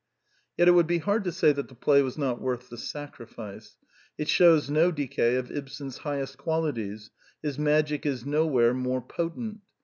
Yet it would be hard to say that the play was not worth the sacrifice. It shews no decay of Ibsen's highest qualities: his magic is nowhere more potent.